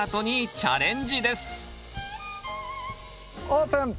オープン！